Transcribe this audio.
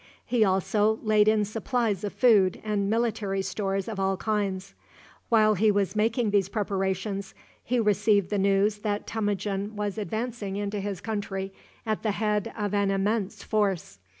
He also laid in supplies of food and military stores of all kinds. While he was making these preparations, he received the news that Temujin was advancing into his country at the head of an immense force.